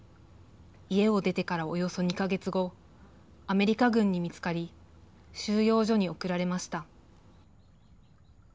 家を出てからおよそ２か月後、アメリカ軍に見つかり、収容所に送られました。